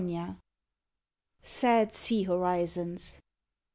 133 "SAD SEA HORIZONS."